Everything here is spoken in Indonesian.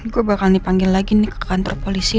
gue bakal dipanggil lagi nih ke kantor polisi